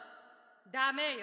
ダメよ。